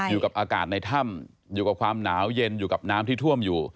อยู่กับอากาศในถ้ำอยู่กับความหนาวเย็นอยู่กับน้ำที่ท่วมอยู่